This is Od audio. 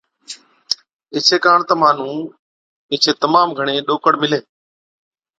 ايڇي ڪاڻ تمهان نُون ايڇي تمام گھڻي ڏوڪڙ مِلهي۔